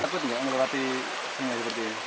takut nggak melewati sungai seperti ini